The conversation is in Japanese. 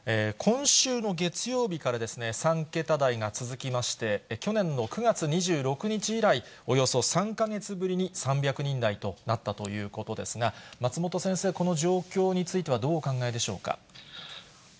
今週の月曜日から３桁台が続きまして、去年の９月２６日以来、およそ３か月ぶりに３００人台となったということですが、松本先生、この状況についてはどうお考えでしょうか。